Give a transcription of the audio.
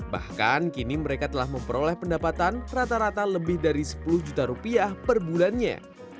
bahkan kini mereka telah memperoleh pendapatan rata rata lebih dari sepuluh juta rupiah per bulannya